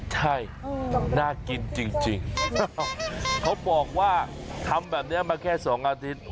ใช่น่ากินจริงเขาบอกว่าทำแบบนี้มาแค่๒อาทิตย์